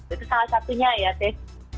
itu salah satunya ya sih